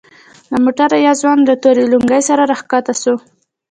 له موټره يو ځوان له تورې لونگۍ سره راکښته سو.